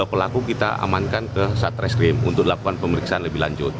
dua pelaku kita amankan ke satreskrim untuk dilakukan pemeriksaan lebih lanjut